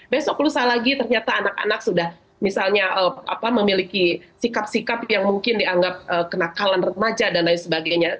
besok lusa lagi ternyata anak anak sudah misalnya memiliki sikap sikap yang mungkin dianggap kenakalan remaja dan lain sebagainya